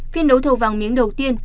phiên đấu thầu vàng miếng đầu tiên